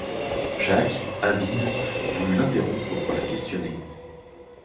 Jacques, avide, voulut l'interrompre pour la questionner.